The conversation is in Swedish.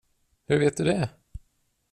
Hur vet du det?